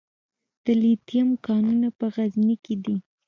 د لیتیم کانونه په غزني کې دي